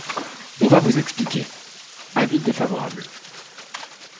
On va vous expliquer ! Avis défavorable.